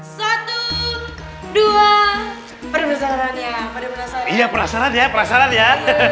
satu dua permasalahannya pada penasaran ya perasaran ya perasaran ya